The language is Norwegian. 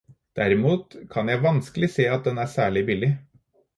Derimot kan jeg vanskelig se at den er særlig billig.